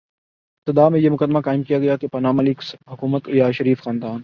ابتدا میں یہ مقدمہ قائم کیا گیا کہ پاناما لیکس حکومت یا شریف خاندان